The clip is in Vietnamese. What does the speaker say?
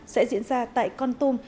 sẽ diễn ra tại con tum